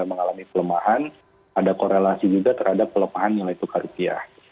kita mengalami pelemahan ada korelasi juga terhadap pelemahan yaitu ke rupiah